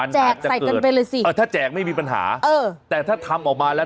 แจกใส่กันไปเลยสิเออถ้าแจกไม่มีปัญหาเออแต่ถ้าทำออกมาแล้ว